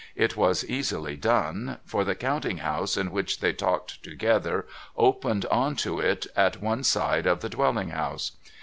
It was easily done ; for the counting house in which they talked together opened on to it, at one side of the dwelling house.